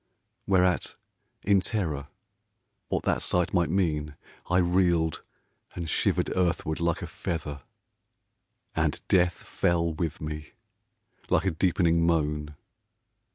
Whereat, in terror what that sight might mean, I reeled and shivered earthward like a feather. And Death fell with me, like a deepening moan.